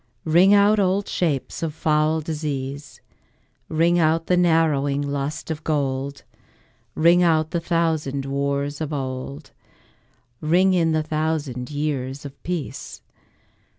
Ring out old shapes of foul disease, Ring out the narrowing lust of gold; Ring out the thousand wars of old, Ring in the thousand years of peace.